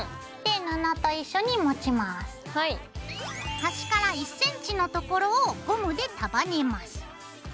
端から１ｃｍのところをゴムで束ねます。